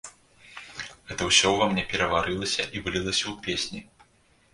Гэта ўсё ўва мне пераварылася і вылілася ў песні.